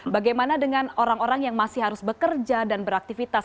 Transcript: bagaimana dengan orang orang yang masih harus bekerja dan beraktivitas